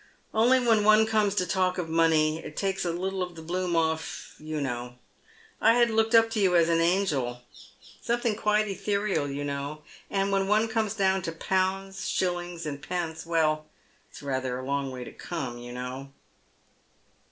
Only when one comes to talk of money, it takes a little of the bloom off, you know. I had looked up to you as an angel — something quite ethereal, you iknow. And when one comes down to pounds, shillings, and pence — well, it's rather a long way to come, you know."